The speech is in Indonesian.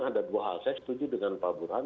ada dua hal saya setuju dengan pak burhan